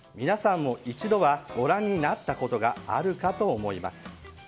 皆さんも一度はご覧になったことがあるかと思います。